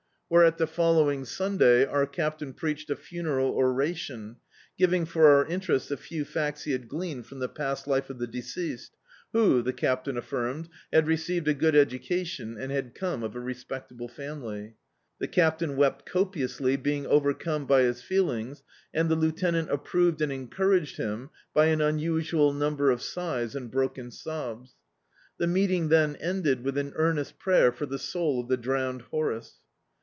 Whereat the following Sunday our Captain preached a funeral oration, ^ving for our interest the few facts he had gleaned from the past life of the de ceased, who, the Captain affirmed, had received a good education and had come of a respectable family. The CaptJdn wept copiously, being overcMne by his feelings, and the Lieutenant approved and en couraged him by an unusual number of si^ and broken sobs, llie meeting then ended with an ear nest prayer for the soul of the drowned Horace.